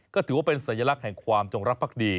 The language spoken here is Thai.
ก็ถือว่าเป็นสัญลักษณ์แห่งความจงรักภักดี